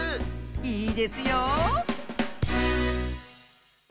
いいですよ。